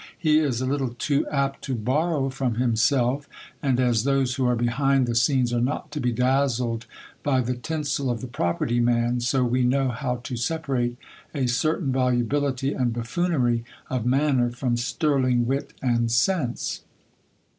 He ii a litde too apt to borrow from himself; and as those who are behind the scenes are not to be dazzled by the tinsel of the property man, so we know how t d separate a certain volubility and buffoonery of manner from sterling wit and sense.